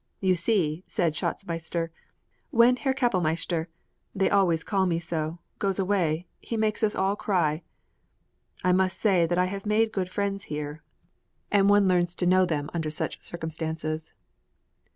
"You see," said Schatzmeister, "when Herr Kapellmeister [they always call me so] goes away, he makes us all cry." I must say that I have made good friends here, and one learns to know them under such circumstances.